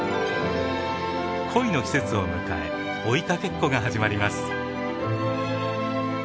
恋の季節を迎え追いかけっこが始まります。